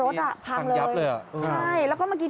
ก็เลยหยิบมันออกให้เหนื่อยหน้ากลับมามันลงข้างทางแล้วอ่ะ